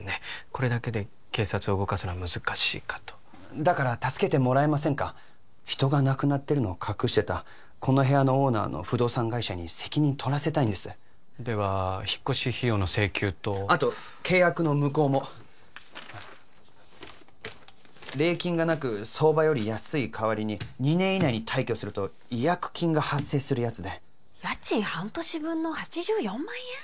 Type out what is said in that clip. これだけで警察を動かすのは難しいかとだから助けてもらえませんか人が亡くなってるのを隠してたこの部屋のオーナーの不動産会社に責任取らせたいんですでは引っ越し費用の請求とあと契約の無効も礼金がなく相場より安い代わりに２年以内に退去すると違約金が発生するやつで家賃半年分の８４万円！？